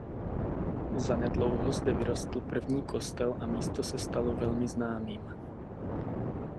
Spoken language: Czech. Zanedlouho zde vyrostl první kostel a místo se stalo velmi známým.